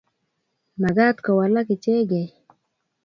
magat kowalak ichegei